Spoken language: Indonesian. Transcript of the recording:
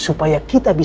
saya akan menang